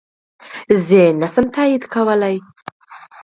زه يي نشم تاييد کولی